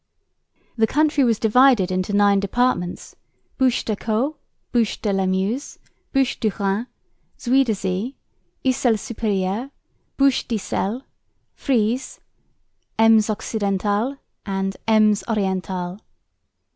The country was divided into nine departments Bouches de l'Escaut, Bouches de la Meuse, Bouches du Rhin, Zuiderzee, Issel supérieur, Bouches de Issel, Frise, Ems Occidental and Ems Oriental.